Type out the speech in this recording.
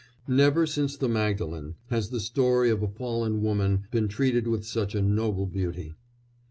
Never since the Magdalen has the story of a fallen woman been treated with such a noble beauty.